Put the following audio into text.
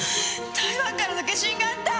台湾からの消印があった！